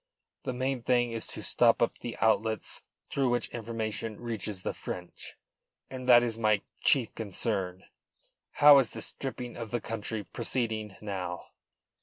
The main thing is to stop up the outlets through which information reaches the French, and that is my chief concern. How is the stripping of the country proceeding now?"